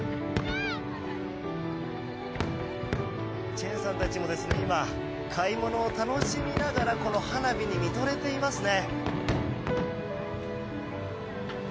チェンさんたちも買い物を楽しみながらこの花火に見とれていますね。